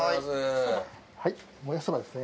はいモヤシそばですね。